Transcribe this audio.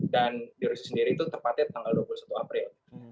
dan di rusia sendiri itu tepatnya tanggal dua puluh satu april